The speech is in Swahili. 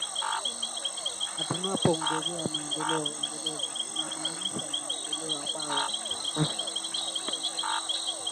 na tunapo ongelea maendeleo endelevu tunamaanisha maendeleo ambayo yanawagusa zaidi